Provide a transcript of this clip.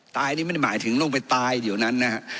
ตายนี่ไม่ได้หมายถึงลงไปตายเดี๋ยวนั้นนะฮะ